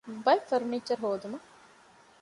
ބައެއް ފަރުނީޗަރު ހޯދުމަށް